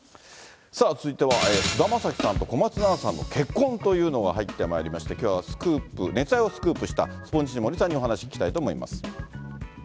続いては、菅田将暉さんと小松菜奈さんの結婚というのが入ってまいりまして、きょうはスクープ、熱愛をスクープしたスポニチの森さんにお話を伺いたいと思います。